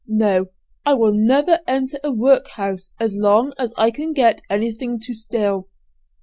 No; I will never enter a workhouse as long as I can get anything to steal.